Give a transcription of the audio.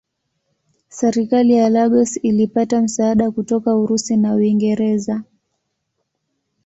Serikali ya Lagos ilipata msaada kutoka Urusi na Uingereza.